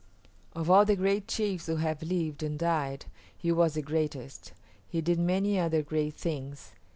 Of all the great chiefs who have lived and died he was the greatest. He did many other great things.